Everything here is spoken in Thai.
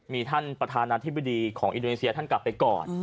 มีท่านประธานาธิบดีของอินโดนีเซียท่านกลับไปก่อน